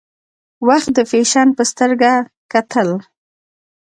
وخت د فیشن په سترګه کتل.